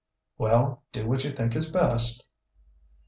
"Well, do what you think is best."